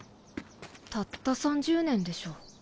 たった３０年でしょ。